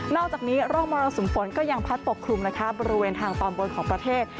อกจากนี้ร่องมรสุมฝนก็ยังพัดปกคลุมนะคะบริเวณทางตอนบนของประเทศ